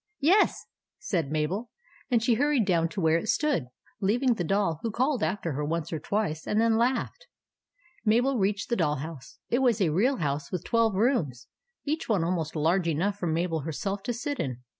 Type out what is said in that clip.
Yes," said Mabel ; and she hurried down to where it stood, leaving the Doll, who called after her once or twice, and then laughed. Mabel reached the doll house. It was a real house with twelve rooms, each one almost large enough for Mabel herself to sit in.